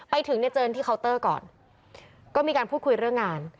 ไปถึงเนี่ยเจอที่เคาน์เตอร์ก่อนก็มีการพูดคุยเรื่องงาน